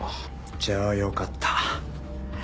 じゃあよかった。